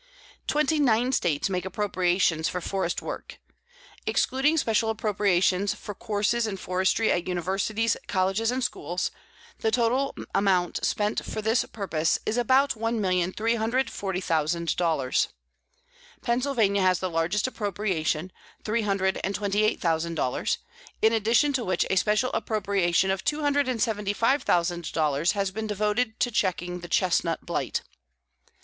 Twenty nine States make appropriations for forest work. Excluding special appropriations for courses in forestry at universities, colleges, and schools, the total amount spent for this purpose is about $1,340,000. Pennsylvania has the largest appropriation, three hundred and twenty eight thousand dollars, in addition to which a special appropriation of two hundred and seventy five thousand dollars has been devoted to checking the chestnut blight.